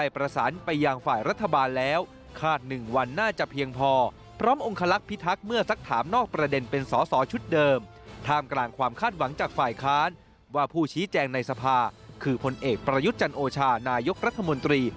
ประยุทธ์จันโอชานายกรัฐมนตรี